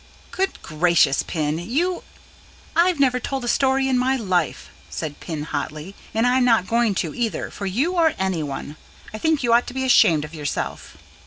"Goodness gracious, Pin, you " "I've never told a story in my life," said Pin hotly. "And I'm not going to either, for you or anyone. I think you ought to be ashamed of yourself."